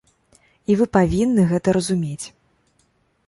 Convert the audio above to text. І вы павінны гэта разумець.